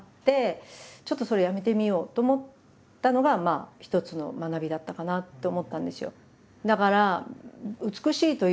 ちょっとそれやめてみようと思ったのが一つの学びだったかなと思ったんですよ。